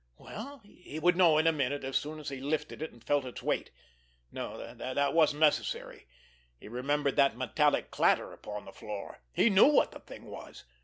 Well, he would know in a minute as soon as he lifted it and felt its weight. No, that wasn't necessary, he remembered that metallic clatter upon the floor. He knew what the thing was.